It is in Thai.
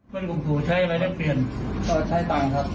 คุณกุมภูใช้อะไรได้เปลี่ยนเอ่อใช้ตังค์ครับ